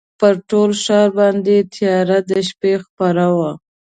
پر ټول ښار باندي تیاره د شپې خپره وه